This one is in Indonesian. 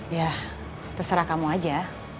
ya terserah kamu aja